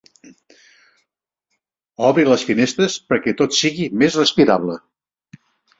Obri les finestres perquè tot sigui més respirable.